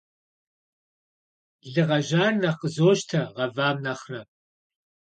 Лы гъэжьар нэхъ къызощтэ гъэвам нэхърэ.